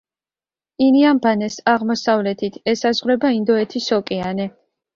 ინიამბანეს აღმოსავლეთით ესაზღვრება ინდოეთის ოკეანე.